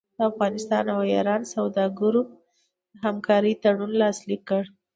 د افغانستان او ایران سوداګرو د همکارۍ تړون لاسلیک